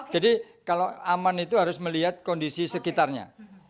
jadi kalau aman itu harus melihat kondisi sekitarnya